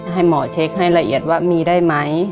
ให้หมอเช็คให้ละเอียดว่ามีได้ไหม